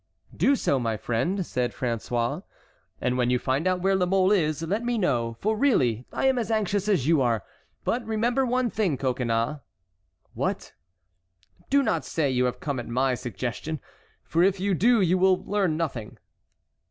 "Do so, my friend," said François. "And when you find out where La Mole is, let me know, for really I am as anxious as you are. But remember one thing, Coconnas"— "What?" "Do not say you have come at my suggestion, for if you do you will learn nothing."